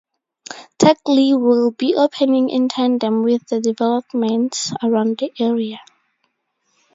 Teck Lee will be opening in tandem with the developments around the area.